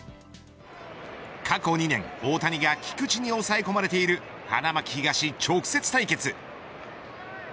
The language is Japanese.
過去２年、大谷が菊池に抑え込まれている花巻東、直接対決。